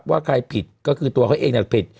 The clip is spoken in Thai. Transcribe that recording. ว่าใครผิดก็คือตัวเขาเองผิด